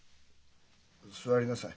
座りなさい。